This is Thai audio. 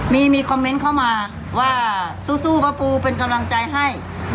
มีมีคอมเมนต์เข้ามาว่าสู้พระปูเป็นกำลังใจให้